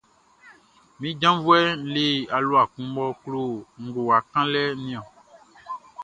Min janvuɛʼn le alua kun mʼɔ klo ngowa kanlɛʼn niɔn.